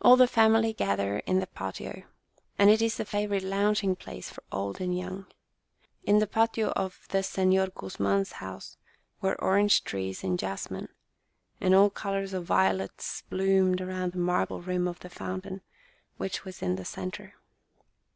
All the family gather in the patio, and it is the favourite lounging place for old and young. In the patio of the Senor Guzman's house were orange trees and jasmine, and all colours of violets bloomed around the marble rim of the foun tain, which was in the centre.